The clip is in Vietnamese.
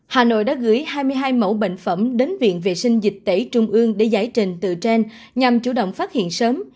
hà nội đã gửi hai mươi hai mẫu bệnh phẩm đến viện vệ sinh dịch tễ trung ương để giải trình từ trên nhằm chủ động phát hiện sớm